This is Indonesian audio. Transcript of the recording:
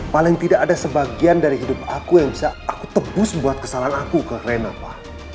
paling tidak ada sebagian dari hidup aku yang bisa aku tebus buat kesalahan aku ke renapa